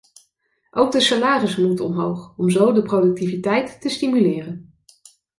Ook de salarissen moeten omhoog, om zo de productiviteit te stimuleren.